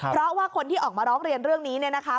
เพราะว่าคนที่ออกมาร้องเรียนเรื่องนี้เนี่ยนะคะ